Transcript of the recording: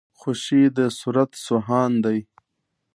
خوشي د سرت سو هان دی.